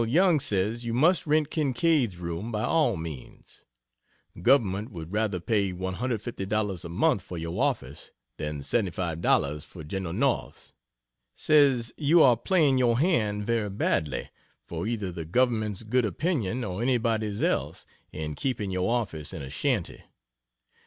Youngs says you must rent Kinkead's room by all means Government would rather pay $150 a month for your office than $75 for Gen. North's. Says you are playing your hand very badly, for either the Government's good opinion or anybody's else, in keeping your office in a shanty.